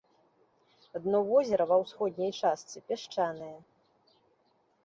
Дно возера ва ўсходняй частцы пясчанае.